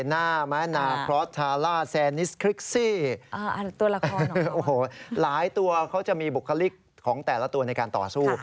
หลายตัวเหมาะของแต่ละตัวในการต่อสู้